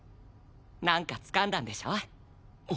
なんかつかんだんでしょ？